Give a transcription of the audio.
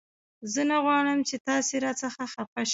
زه نه غواړم چې تاسې را څخه خفه شئ